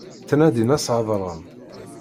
Ttnadin ad s-hedṛen.